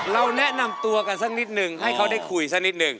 เราแนะนำตัวกันสักนิดนึงให้เขาได้คุยสักนิดหนึ่ง